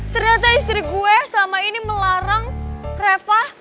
ternyata istri gua selama ini melarang reva